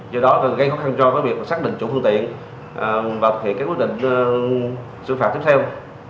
do đó gây khó khăn cho với việc xác định chủ phương tiện và thực hiện các quyết định xử phạm tiếp theo